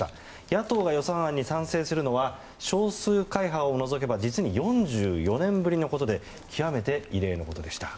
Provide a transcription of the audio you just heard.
野党が予算案に賛成するのは少数会派を除けば実に４４年ぶりのことで極めて異例のことでした。